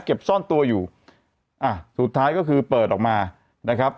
ซ่อนตัวอยู่อ่ะสุดท้ายก็คือเปิดออกมานะครับ